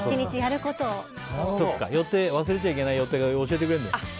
忘れちゃいけない予定を教えてくれるんだ。